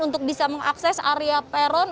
untuk bisa mengakses area peron